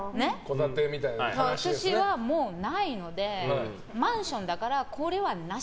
私はないのでマンションだからこれはなし。